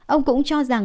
ông cũng cho rằng